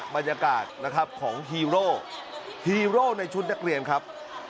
บรรยากาศนะครับของฮีโร่ฮีโร่ในชุดนักเรียนครับ